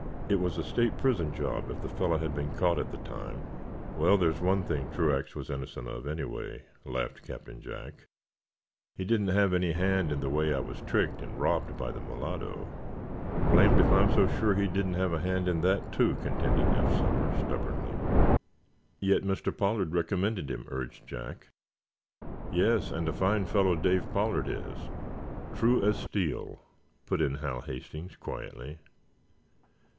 It was a state prison job, if the fellow had been caught at the time." "Well, there's one thing Truax was innocent of, anyway," laughed Captain Jack. "He didn't have any hand in the way I was tricked and robbed by the mulatto." "Blamed if I'm so sure he didn't have a hand in that, too," contended Eph Somers, stubbornly. "Yet Mr. Pollard recommended him," urged Jack. "Yes, and a fine fellow Dave Pollard is—true as steel," put in Hal Hastings, quietly.